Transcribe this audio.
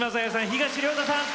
東亮汰さん